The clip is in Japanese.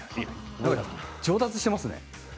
上達していますね。